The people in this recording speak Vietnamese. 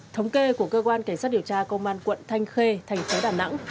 thống kê của cơ quan cảnh sát điều tra công an quận thanh khê thành phố đà nẵng